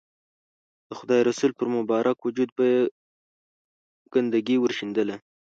د خدای رسول پر مبارک وجود به یې ګندګي ورشیندله.